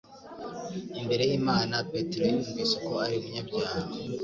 Imbere y'Imana, Petero yiyumvise ko ari umunyabyaha.